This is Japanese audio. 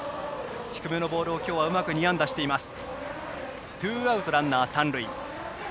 低めのボールを今日はうまく２安打しています。